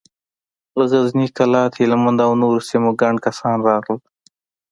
له غزني، کلات، هلمند او نورو سيمو ګڼ کسان راغلل.